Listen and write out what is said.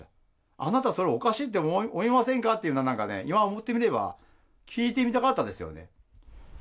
あなた、それ、おかしいって思いませんかっていうのは、なんかね、今思ってみれば聞いてみたかったですよね。